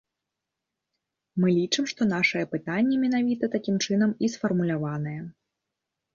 Мы лічым, што нашае пытанне менавіта такім чынам і сфармуляванае.